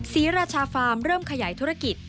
ศรีราชาฟาร์มเริ่มขยายธุรกิจ